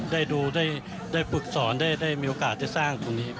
ได้ดูได้ฝึกสอนได้มีโอกาสได้สร้างตรงนี้